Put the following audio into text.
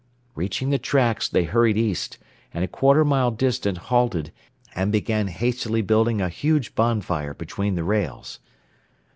Reaching the tracks, they hurried east, and a quarter mile distant halted, and began hastily building a huge bonfire between the rails.